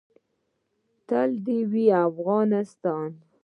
تل دې وي افغانستان.